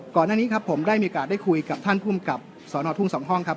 ก่อนหน้านี้ครับผมได้มีโอกาสได้คุยกับท่านภูมิกับสอนอทุ่ง๒ห้องครับ